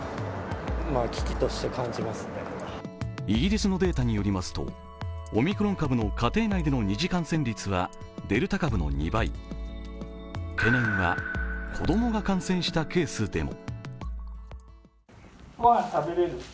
イギリスのデータによりますとオミクロン株の家庭内での２次感染率はデルタ株の２倍、懸念は子供が感染したケースでも。